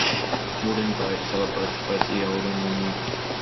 "WoodenBoat" celebrates both the old and the new.